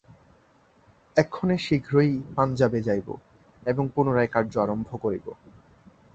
এক্ষণে শীঘ্রই পাঞ্জাবে যাইব এবং পুনরায় কার্য আরম্ভ করিব।